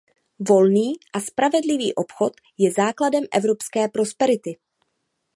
Volný a spravedlivý obchod je základem evropské prosperity.